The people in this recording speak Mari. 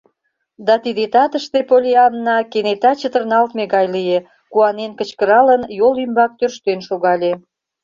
Да тиде татыште Поллианна кенета чытырналтме гай лие, куанен кычкыралын йол ӱмбак тӧрштен шогале.